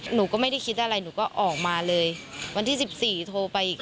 หนูก็ไม่ได้คิดอะไรหนูก็ออกมาเลยวันที่สิบสี่โทรไปอีก